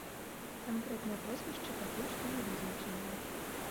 Канкрэтныя прозвішчы пакуль што не вызначаныя.